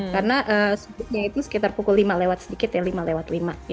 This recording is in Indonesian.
karena subuhnya itu sekitar pukul lima lewat sedikit ya lima lewat lima